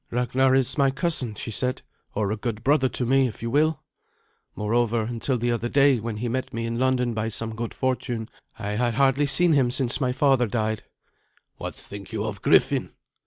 "Ragnar is my cousin," she said, "or a good brother to me, if you will. Moreover, until the other day when he met me in London by some good fortune, I had hardly seen him since my father died." "What think you of Griffin?"